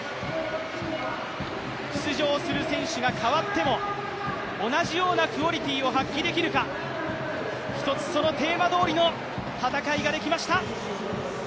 出場する選手がかわっても同じようなクオリティーを発揮できるか、一つそのテーマどおりの戦いができました。